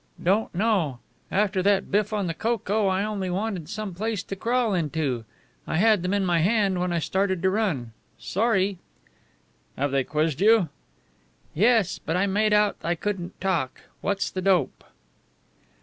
"Don't know. After that biff on the coco I only wanted some place to crawl into. I had them in my hand when I started to run. Sorry." "Have they quizzed you?" "Yes, but I made out I couldn't talk. What's the dope?"